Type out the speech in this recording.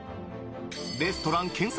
レストラン検索・